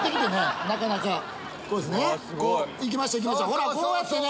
ほらこうやってね。